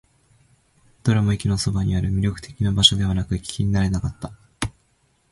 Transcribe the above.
どれも駅のそばにある。魅力的な場所ではなく、行く気にはなれなかった。